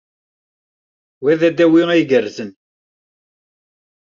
Wa d adawi ay igerrzen.